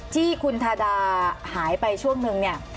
ที่คุณทาดาหายไปช่วงนึงเนี่ย